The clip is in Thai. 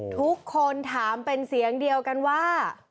ทุกคนถามเป็นเสียงเดียวกันว่า